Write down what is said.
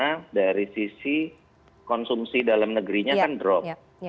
karena dari sisi konsumsi dalam negerinya kan drop